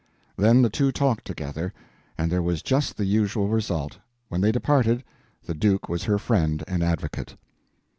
Then the two talked together, and there was just the usual result: when they departed, the Duke was her friend and advocate.